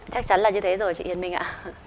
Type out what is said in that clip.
chắc chắn là như thế rồi chị yên minh ạ